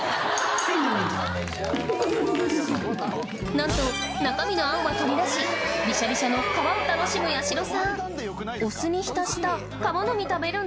なんと中身の餡は取り出しビシャビシャの皮を楽しむ八代さん